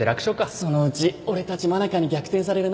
そのうち俺たち真中に逆転されるな